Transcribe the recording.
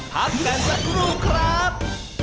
พักกันสักครู่ครับ